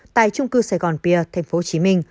tại trung cư sài gòn pier tp hcm